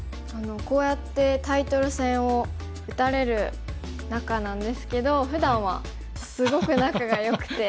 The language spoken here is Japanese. こうやってタイトル戦を打たれる仲なんですけどふだんはすごく仲がよくて。